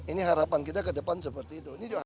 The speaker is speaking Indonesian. ini harapan kita ke depan seperti itu